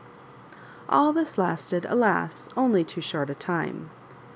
.AH this lasted, alas I only too short a time.